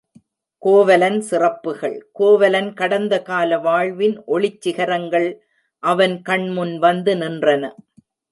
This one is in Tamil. கோவலன் சிறப்புகள் கோவலன் கடந்த கால வாழ்வின் ஒளிச் சிகரங்கள் அவன் கண்முன் வந்து நின்றன.